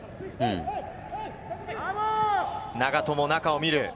長友、中を見る。